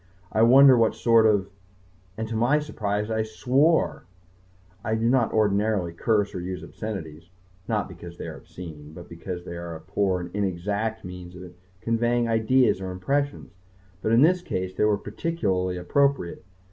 I wonder what sort of ... and to my surprise I swore! I do not ordinarily curse or use obscenities not because they are obscene but because they are a poor and inexact means of conveying ideas or impressions. But in this case they were particularly appropriate.